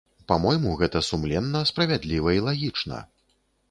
Па-мойму, гэта сумленна, справядліва і лагічна.